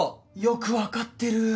よくわかってる。